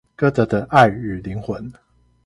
歌德的愛與靈魂